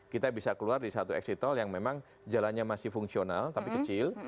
kita bisa keluar di satu exit tol yang memang jalannya masih fungsional tapi kecil